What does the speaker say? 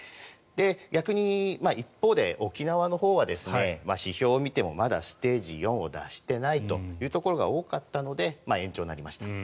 逆に、一方で沖縄のほうは指標を見てもまだステージ４を脱していないというところが多かったので延長になりました。